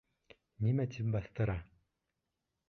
— Нимә тип баҫтыра?